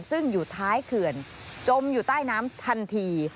ซึ่งอยู่ท้ายเขื่อนจมอยู่ใต้น้ำทันที